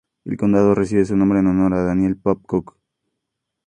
El condado recibe su nombre en honor a Daniel Pope Cook.